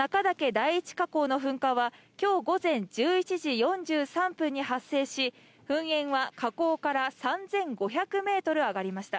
第１火口の噴火は、きょう午前１１時４３分に発生し、噴煙は火口から３５００メートル上がりました。